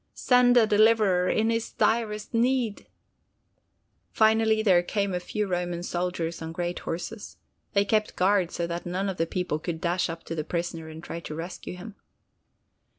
Send a deliverer in his direst need!" Finally there came a few Roman soldiers on great horses. They kept guard so that none of the people could dash up to the prisoner and try to rescue him.